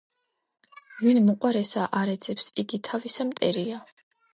ვინ მოყვარესა არ ეძებს, იგი თავისა მტერია